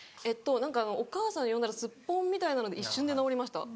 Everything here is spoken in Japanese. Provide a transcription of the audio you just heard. お母さんを呼んだらスッポンみたいなので一瞬で直りました。